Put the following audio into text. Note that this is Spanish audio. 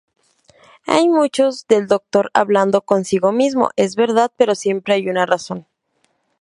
Hay mucho del Doctor 'hablando consigo mismo', es verdad, pero siempre hay una razón".